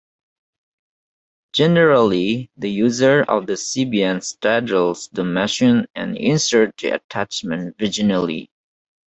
Generally, the user of the Sybian straddles the machine and inserts the attachment vaginally.